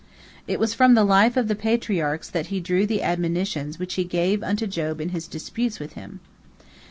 It was from the life of the Patriarchs that he drew the admonitions which he gave unto Job in his disputes with him.